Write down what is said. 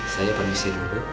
saya permisi dulu